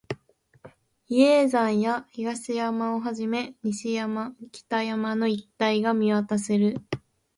比叡山や東山をはじめ、西山、北山の一帯が見渡せる